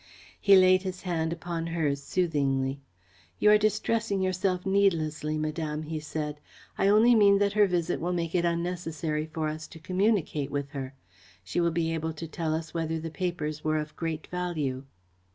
He laid his hand upon hers soothingly. "You are distressing yourself needlessly, Madame," he said. "I only mean that her visit will make it unnecessary for us to communicate with her. She will be able to tell us whether the papers were of great value."